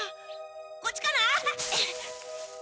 こっちかな？